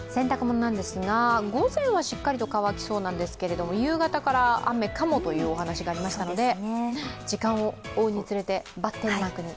洗濯物なんですが、午前はしっかりと乾きそうなんですが夕方から雨かもというお話がありましたので時間を追うにつれて×マークに。